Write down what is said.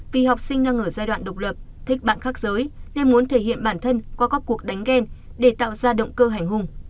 vì học sinh đang ở giai đoạn độc lập thích bạn khác giới nên muốn thể hiện bản thân qua các cuộc đánh ghen để tạo ra động cơ hành hùng